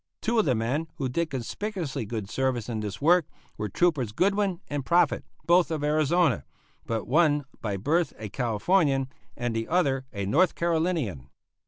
Two of the men who did conspicuously good service in this work were Troopers Goodwin and Proffit, both of Arizona, but one by birth a Californian and the other a North Carolinian.